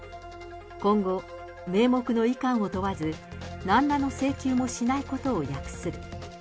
今後、名目のいかんを問わず、なんらの請求もしないことを約する。